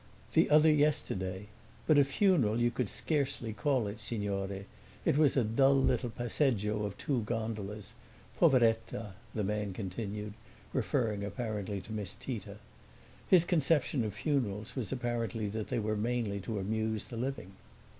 "The other yesterday. But a funeral you could scarcely call it, signore; it was a dull little passeggio of two gondolas. Poveretta!" the man continued, referring apparently to Miss Tita. His conception of funerals was apparently that they were mainly to amuse the living.